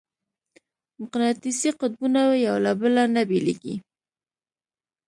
مقناطیسي قطبونه یو له بله نه بېلېږي.